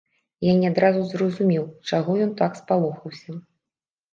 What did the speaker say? Я не адразу зразумеў, чаго ён так спалохаўся.